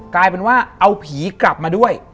กลายเป็นว่าเอาผีกลับมาด้วย